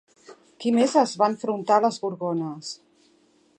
Qui més es va enfrontar les Gorgones?